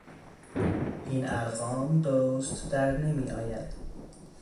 این ارقام درست در نمیآید.